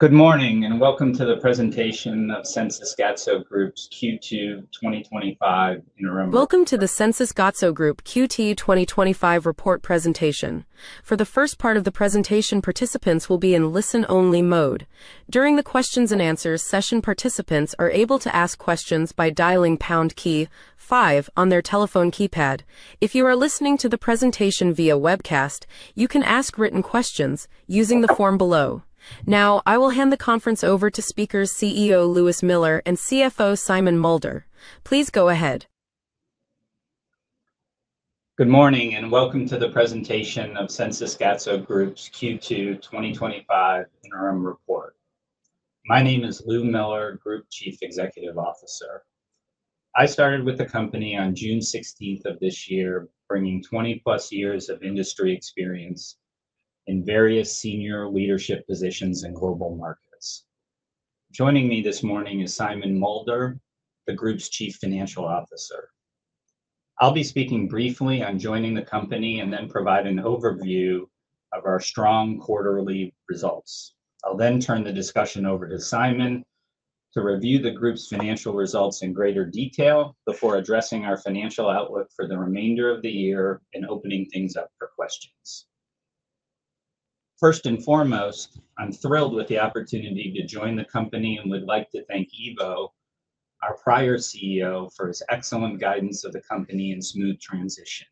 Good morning and welcome to the presentation of Sensys Gatso Group's Q2 2025. Welcome to the Sensys Gatso Group Q2 2025 Report Presentation. For the first part of the presentation, participants will be in listen-only mode. During the questions and answers session, participants are able to ask questions by dialing the pound key five on their telephone keypad. If you are listening to the presentation via webcast, you can ask written questions using the form below. Now, I will hand the conference over to speakers CEO Lewis Miller and CFO Simon Mulder. Please go ahead. Good morning and welcome to the presentation of Sensys Gatso Group's Q2 2025 Interim Report. My name is Lewis Miller, Group Chief Executive Officer. I started with the company on June 16 of this year, bringing 20+ years of industry experience and various senior leadership positions in global markets. Joining me this morning is Simon Mulder, the Group's Chief Financial Officer. I'll be speaking briefly on joining the company and then provide an overview of our strong quarterly results. I'll then turn the discussion over to Simon to review the Group's financial results in greater detail before addressing our financial outlook for the remainder of the year and opening things up for questions. First and foremost, I'm thrilled with the opportunity to join the company and would like to thank Ivo Mönnink, our prior CEO, for his excellent guidance of the company in smooth transition.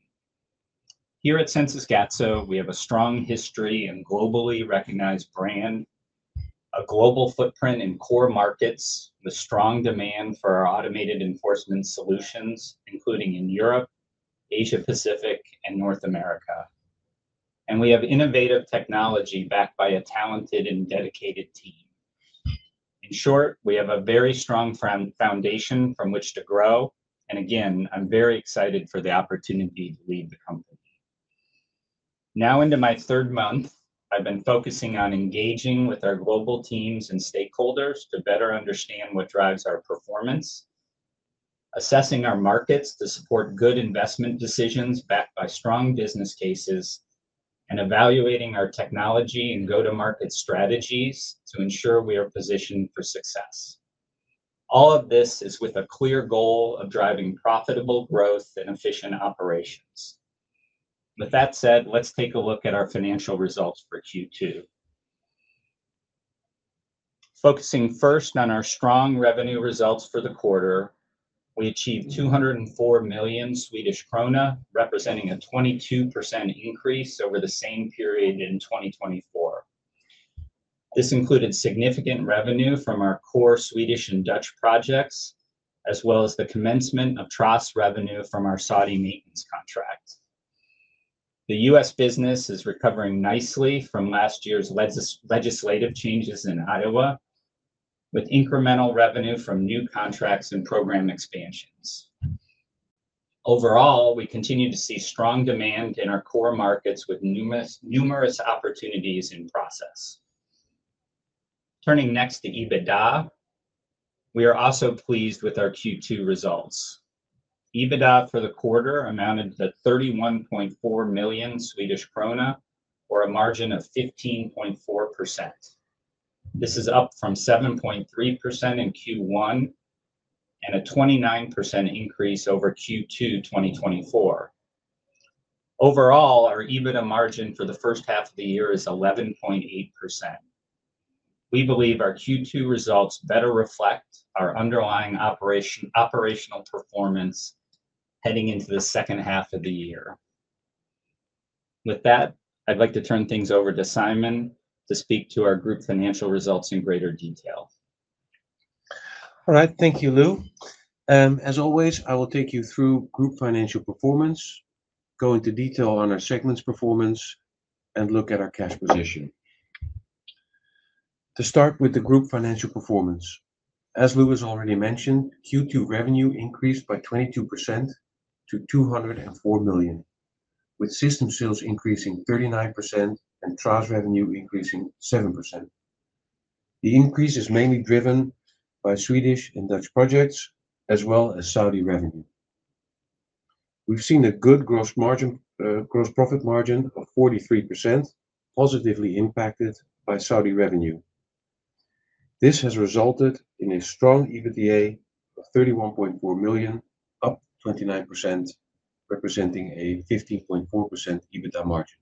Here at Sensys Gatso, we have a strong history and globally recognized brand, a global footprint in core markets, with strong demand for our automated enforcement solutions, including in Europe, Asia-Pacific, and North America. We have innovative technology backed by a talented and dedicated team. In short, we have a very strong foundation from which to grow, and again, I'm very excited for the opportunity to lead the company. Now into my third month, I've been focusing on engaging with our global teams and stakeholders to better understand what drives our performance, assessing our markets to support good investment decisions backed by strong business cases, and evaluating our technology and go-to-market strategies to ensure we are positioned for success. All of this is with a clear goal of driving profitable growth and efficient operations. With that said, let's take a look at our financial results for Q2. Focusing first on our strong revenue results for the quarter, we achieved 204 million Swedish krona, representing a 22% increase over the same period in 2024. This included significant revenue from our core Swedish and Dutch projects, as well as the commencement of TraaS revenue from our Saudi Arabia maintenance contracts. The U.S. business is recovering nicely from last year's legislative changes in Iowa, with incremental revenue from new contracts and program expansions. Overall, we continue to see strong demand in our core markets with numerous opportunities in process. Turning next to EBITDA: we are also pleased with our Q2 results. EBITDA for the quarter amounted to 31.4 million Swedish krona, or a margin of 15.4%. This is up from 7.3% in Q1 and a 29% increase over Q2 2024. Overall, our EBITDA margin for the first half of the year is 11.8%. We believe our Q2 results better reflect our underlying operational performance heading into the second half of the year. With that, I'd like to turn things over to Simon to speak to our Group's financial results in greater detail. All right, thank you, Lou. As always, I will take you through Group's financial performance, go into detail on our segments' performance, and look at our cash position. To start with the Group's financial performance: as Lou has already mentioned, Q2 revenue increased by 22% to 204 million, with system sales increasing 39% and TraaS revenue increasing 7%. The increase is mainly driven by Swedish and Dutch projects, as well as Saudi revenue. We've seen a good gross profit margin of 43%, positively impacted by Saudi revenue. This has resulted in a strong EBITDA of 31.4 million, up 29%, representing a 15.4% EBITDA margin.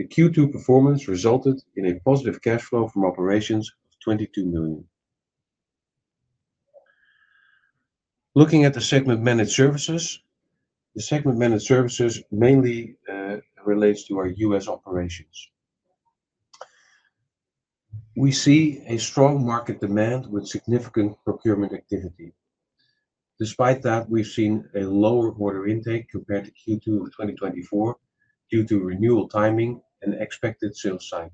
The Q2 performance resulted in a positive cash flow from operations of 22 million. Looking at the segment managed services, the segment managed services mainly relates to our U.S. operations. We see a strong market demand with significant procurement activity. Despite that, we've seen a lower order intake compared to Q2 2024 due to renewal timing and expected sales cycles.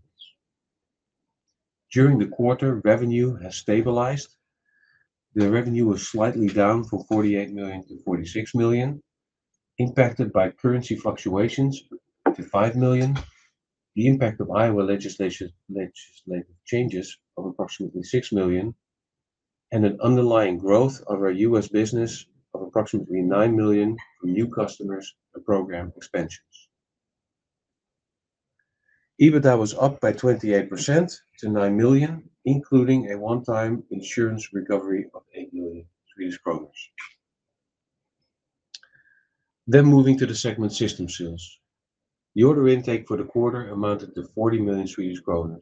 During the quarter, revenue has stabilized. The revenue was slightly down from 48 million to 46 million, impacted by currency fluctuations to 5 million, the impact of Iowa legislative changes of approximately 6 million, and an underlying growth of our U.S. business of approximately 9 million for new customers and program expansions. EBITDA was up by 28% to 9 million, including a one-time insurance recovery of 8 million Swedish kronor. Moving to the segment system sales, the order intake for the quarter amounted to 40 million Swedish kronor.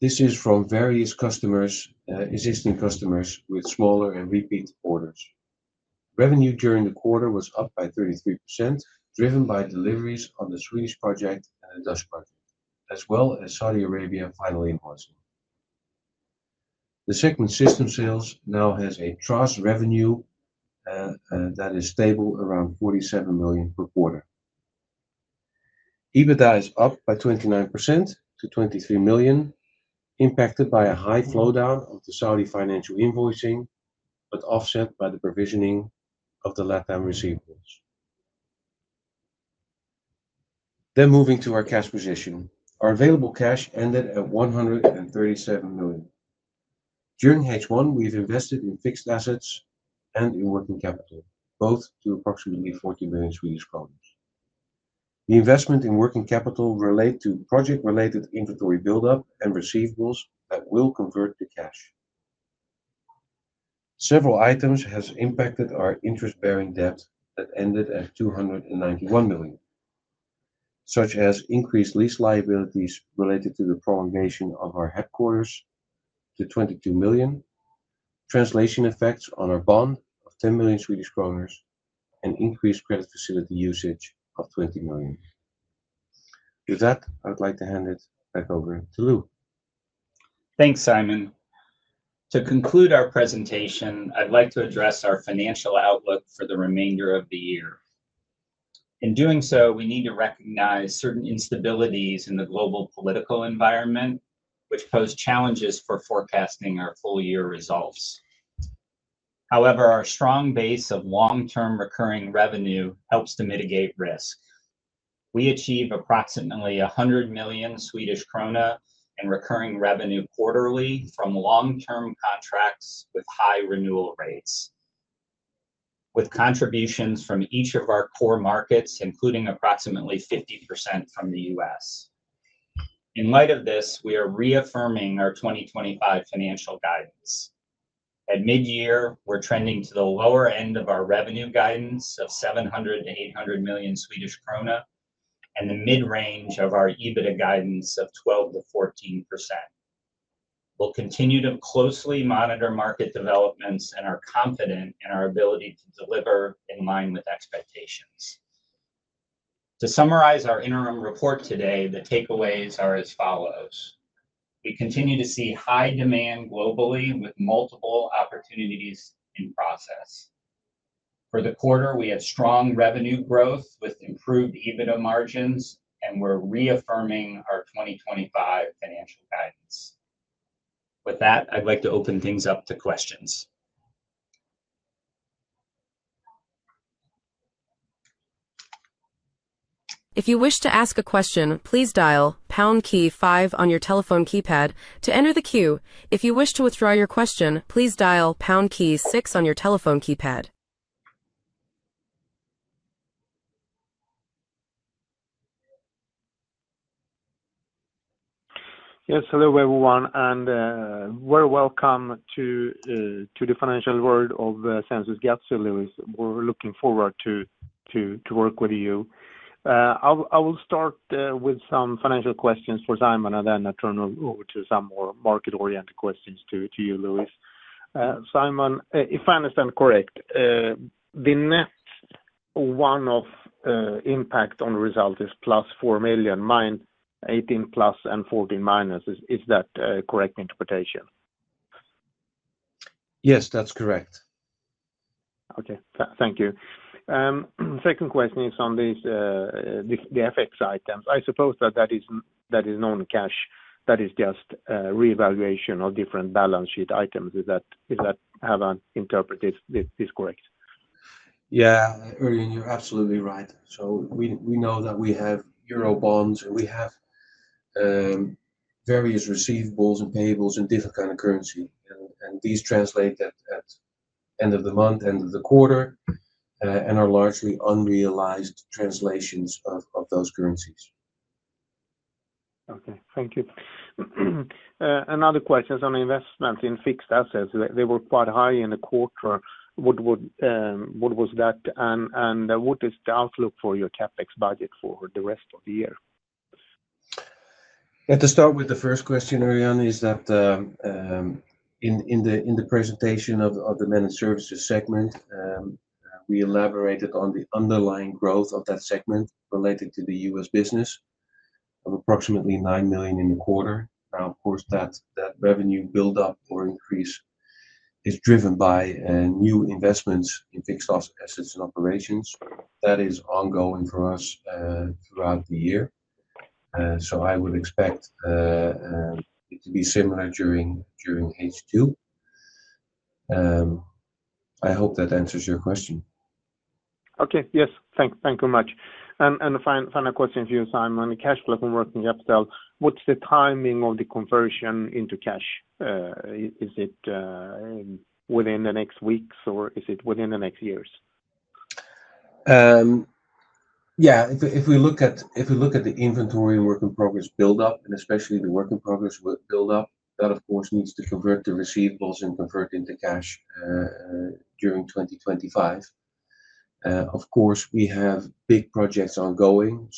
This is from various customers, existing customers with smaller and repeat orders. Revenue during the quarter was up by 33%, driven by deliveries on the Swedish project and the Dutch project, as well as Saudi Arabia final invoicing. The segment system sales now has a TraaS revenue that is stable around 47 million per quarter. EBITDA is up by 29% to 23 million, impacted by a high flow down of the Saudi financial invoicing, but offset by the provisioning of the LATAM receivables. Moving to our cash position, our available cash ended at 137 million. During H1, we've invested in fixed assets and in working capital, both to approximately 40 million Swedish kronor. The investment in working capital relates to project-related inventory buildup and receivables that will convert to cash. Several items have impacted our interest-bearing debt that ended at 291 million, such as increased lease liabilities related to the prolongation of our headquarters to 22 million, translation effects on our bond of 10 million Swedish kronor, and increased credit facility usage of 20 million. With that, I would like to hand it back over to Lou. Thanks, Simon. To conclude our presentation, I'd like to address our financial outlook for the remainder of the year. In doing so, we need to recognize certain instabilities in the global political environment, which pose challenges for forecasting our full-year results. However, our strong base of long-term recurring revenue helps to mitigate risk. We achieve approximately 100 million Swedish krona in recurring revenue quarterly from long-term contracts with high renewal rates, with contributions from each of our core markets, including approximately 50% from the U.S. In light of this, we are reaffirming our 2025 financial guidance. At mid-year, we're trending to the lower end of our revenue guidance of 700 million-800 million Swedish krona and the mid-range of our EBITDA guidance of 12%-14%. We'll continue to closely monitor market developments and are confident in our ability to deliver in line with expectations. To summarize our interim report today, the takeaways are as follows: we continue to see high demand globally with multiple opportunities in process. For the quarter, we have strong revenue growth with improved EBITDA margins, and we're reaffirming our 2025 financial goals. With that, I'd like to open things up to questions. If you wish to ask a question, please dial pound key five on your telephone keypad to enter the queue. If you wish to withdraw your question, please dial pound key six on your telephone keypad. Yes, hello everyone, and a very welcome to the financial world of Sensys Gatso, Lewis. We're looking forward to working with you. I will start with some financial questions for Simon, and then I'll turn over to some more market-oriented questions to you, Lewis. Simon, if I understand correctly, the net one-off impact on the result is +4 million, -18 million, SEK ± 14 million. Is that a correct interpretation? Yes, that's correct. Okay, thank you. The second question is on the FX items. I suppose that that is not cash, that is just a reevaluation of different balance sheet items. Is that how I interpret it? Is this correct? Erling, you're absolutely right. We know that we have Euro bonds, and we have various receivables and payables in different kinds of currencies. These translate at the end of the month, end of the quarter, and are largely unrealized translations of those currencies. Okay, thank you. Another question is on investment in fixed assets. They were quite high in the quarter. What was that, and what is the outlook for your CapEx budget for the rest of the year? Yeah, to start with the first question, Erling, is that in the presentation of the managed services segment, we elaborated on the underlying growth of that segment relating to the U.S. business of approximately [9 million] in the quarter. Of course, that revenue buildup or increase is driven by new investments in fixed assets and operations. That is ongoing for us throughout the year. I would expect it to be similar during HQ. I hope that answers your question. Yes, thank you very much. The final question to you, Simon, the cash flow from working capital, what's the timing of the conversion into cash? Is it within the next weeks, or is it within the next years? Yeah, if we look at the inventory work in progress buildup, and especially the work in progress buildup, that of course needs to convert to receivables and convert into cash during 2025. Of course, we have big projects ongoing,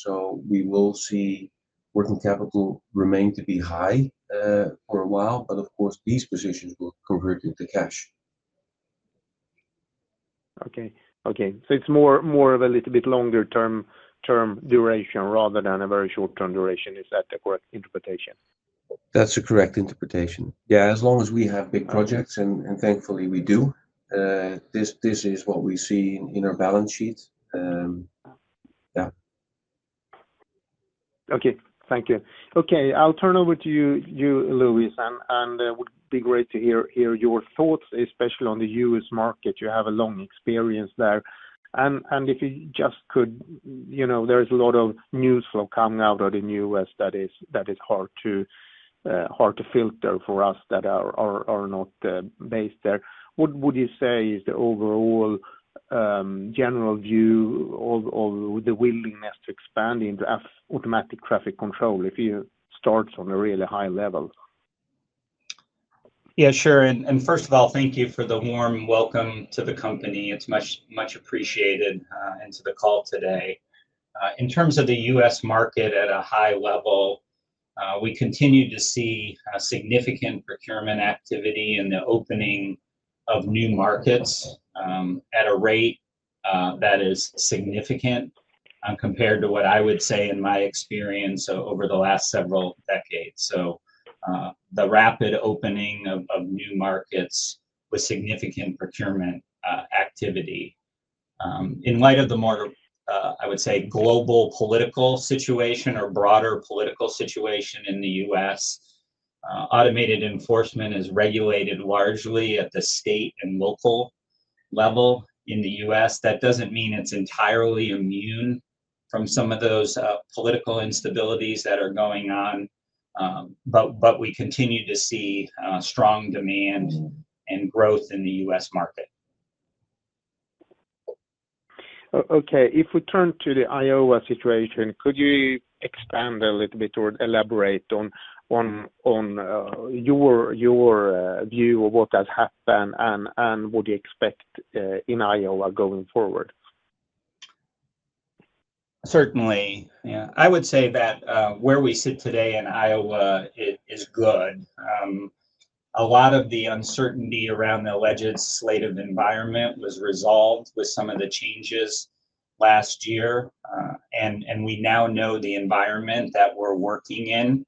we will see working capital remain to be high for a while, but of course these positions will convert into cash. Okay, so it's more of a little bit longer-term duration rather than a very short-term duration. Is that the correct interpretation? That's the correct interpretation. As long as we have big projects, and thankfully we do, this is what we see in our balance sheets. Okay, thank you. I'll turn over to you, Lewis, and it would be great to hear your thoughts, especially on the U.S. market. You have a long experience there. If you just could, you know, there is a lot of news flow coming out of the U.S. that is hard to filter for us that are not based there. What would you say is the overall general view of the willingness to expand into automated traffic control if you start from a really high level? Yeah, sure, and first of all, thank you for the warm welcome to the company. It's much, much appreciated into the call today. In terms of the U.S. market at a high level, we continue to see significant procurement activity in the opening of new markets at a rate that is significant compared to what I would say in my experience over the last several decades. The rapid opening of new markets with significant procurement activity. In light of the more, I would say, global political situation or broader political situation in the U.S., automated enforcement is regulated largely at the state and local level in the U.S. That doesn't mean it's entirely immune from some of those political instabilities that are going on, but we continue to see strong demand and growth in the U.S. market. Okay, if we turn to the Iowa situation, could you expand a little bit or elaborate on your view of what has happened and what you expect in Iowa going forward? Certainly, yeah, I would say that where we sit today in Iowa, it is good. A lot of the uncertainty around the legislative environment was resolved with some of the changes last year, and we now know the environment that we're working in.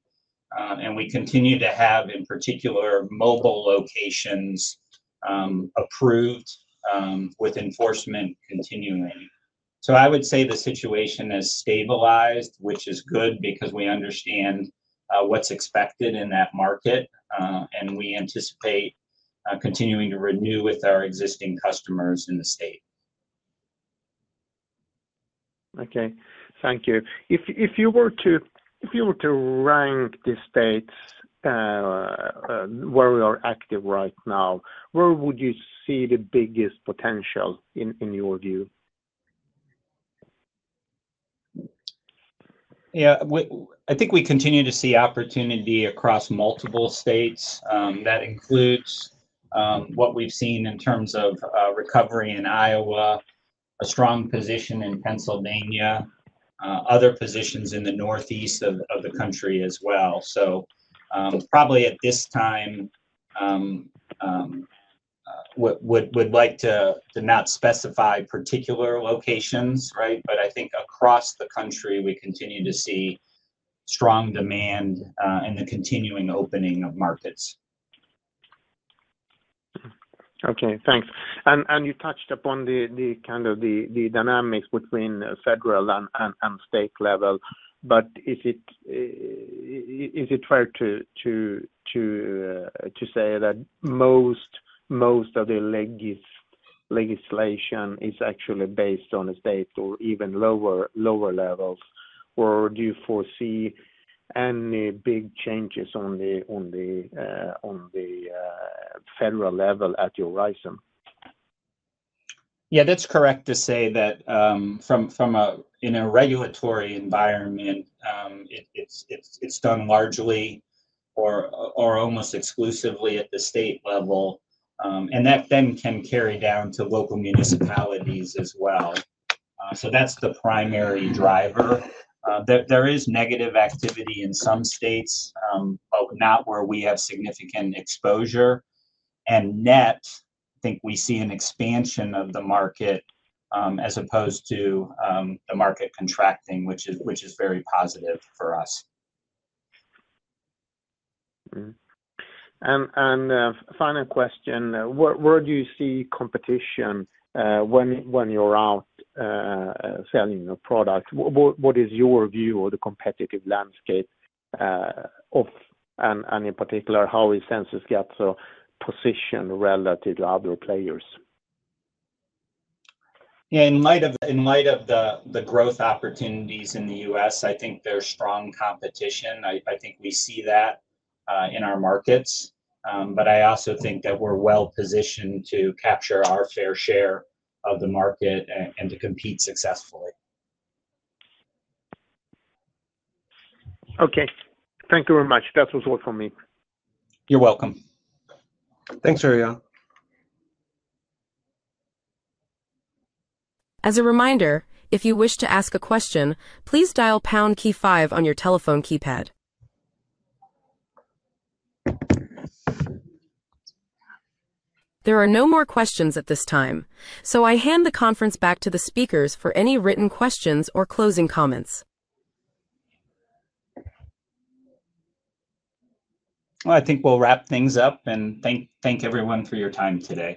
We continue to have, in particular, mobile locations approved with enforcement continuing. I would say the situation has stabilized, which is good because we understand what's expected in that market, and we anticipate continuing to renew with our existing customers in the state. Okay, thank you. If you were to rank the states where we are active right now, where would you see the biggest potential in your view? I think we continue to see opportunity across multiple states. That includes what we've seen in terms of recovery in Iowa, a strong position in Pennsylvania, other positions in the northeast of the country as well. At this time, we'd like to not specify particular locations, right? I think across the country, we continue to see strong demand and the continuing opening of markets. Okay, thanks. You touched upon the dynamics between federal and state level. Is it fair to say that most of the legislation is actually based on a state or even lower level? Do you foresee any big changes on the federal level at your horizon? Yeah, that's correct to say that in a regulatory environment, it's done largely or almost exclusively at the state level, and that can carry down to local municipalities as well. That's the primary driver. There is negative activity in some states, but not where we have significant exposure. Net, I think we see an expansion of the market as opposed to the market contracting, which is very positive for us. Final question, where do you see competition when you're out selling your product? What is your view of the competitive landscape? In particular, how is Sensys Gatso positioned relative to other players? In light of the growth opportunities in the U.S., I think there's strong competition. I think we see that in our markets, but I also think that we're well positioned to capture our fair share of the market and to compete successfully. Okay, thank you very much. That was all from me. You're welcome. Thanks, Erling. As a reminder, if you wish to ask a question, please dial pound key five on your telephone keypad. There are no more questions at this time, so I hand the conference back to the speakers for any written questions or closing comments. I think we'll wrap things up and thank everyone for your time today.